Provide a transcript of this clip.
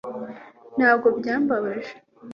ntabwo byambabaje